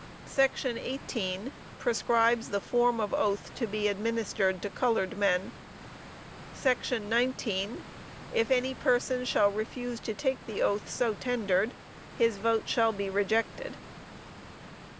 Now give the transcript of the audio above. '""§ 18. Prescribes the form of oath to be administered to colored men." "§ 19. If any person shall refuse to take the oath so tendered, his vote shall be rejected."